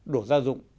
đổ da dụng